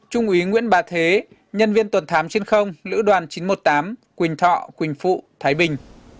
trung úy nguyễn bà thế nhân viên tuần thám trên không lữ đoàn chín trăm một mươi tám quỳnh thọ quỳnh phụ thái bình